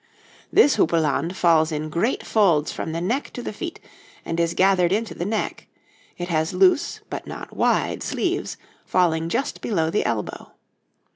This houppelande falls in great folds from the neck to the feet, and is gathered into the neck; it has loose, but not wide, sleeves, falling just below the elbow.